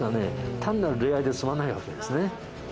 単なる恋愛で済まないわけですね。